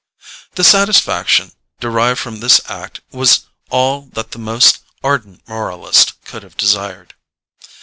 The satisfaction derived from this act was all that the most ardent moralist could have desired.